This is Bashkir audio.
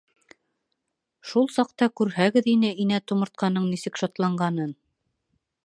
Шул саҡта күрһәгеҙ ине инә тумыртҡаның нисек шатланғанын!